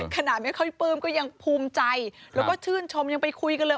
ขนาดแม้เขาให้ปื้มก็ยังภูมิใจและชื่นชมไปคุยกันเลย